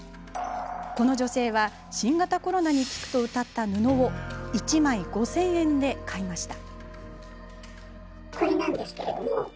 この女性は新型コロナに効くとうたった布を１枚５０００円で買いました。